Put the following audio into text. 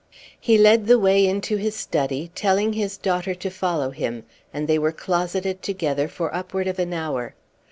He led the way into his study, telling his daughter to follow him, and they were closeted together for upward of an hour.